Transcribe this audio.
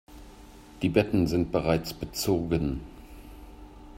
Die Betten sind bereits bezogen.